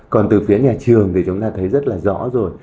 còn từ phía nhà trường thì chúng ta thấy rất là rõ rồi